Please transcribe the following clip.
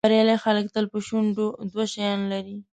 بریالي خلک تل په شونډو دوه شیان لري.